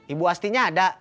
ibu asti nya ada